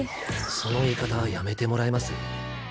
その言い方やめてもらえます？